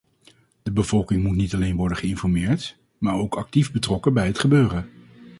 De bevolking moet niet alleen worden geïnformeerd, maar ook actief betrokken bij het gebeuren.